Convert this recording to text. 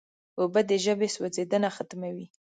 اوبه د ژبې سوځیدنه ختموي.